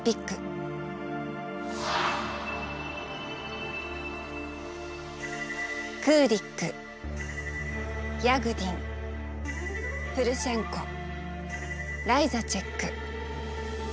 クーリックヤグディンプルシェンコライサチェック。